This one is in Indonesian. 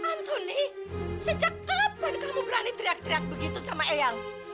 bantu nih sejak kapan kamu berani teriak teriak begitu sama eyang